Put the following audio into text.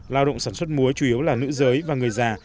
lao động sản xuất muối chủ yếu là nữ giới và người già